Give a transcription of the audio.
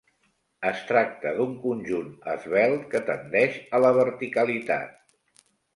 Es tracta d'un conjunt esvelt que tendeix a la verticalitat.